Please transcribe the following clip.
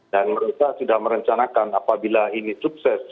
dan mereka sudah merencanakan apabila ini sukses